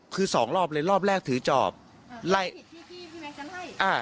คือสองรอบเลยรอบแรกถือจอบไล่พี่แม็กซ์ฉันให้อ่า